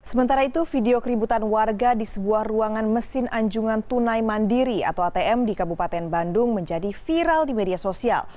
sementara itu video keributan warga di sebuah ruangan mesin anjungan tunai mandiri atau atm di kabupaten bandung menjadi viral di media sosial